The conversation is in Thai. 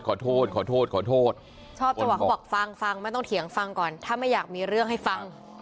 ชอบจะบอกฟังไม่ต้องเถียงฟังก่อนถ้าไม่อยากมีเรื่องให้ฟัง